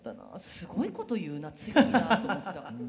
すごいこと言うな強いなと思った。